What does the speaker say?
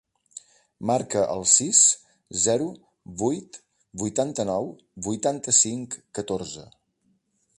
Marca el sis, zero, vuit, vuitanta-nou, vuitanta-cinc, catorze.